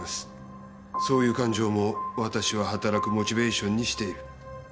そういう感情も私は働くモチベーションにしている。